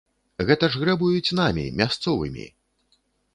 Гэта ж грэбуюць намі, мясцовымі!